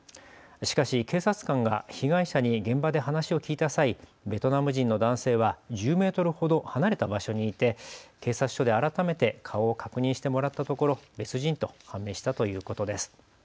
しかし警察官が被害者に現場で話を聞いた際、ベトナム人の男性は１０メートルほど離れた場所にいて警察署で改めて顔を確認してもらったところ別人と判明したということです。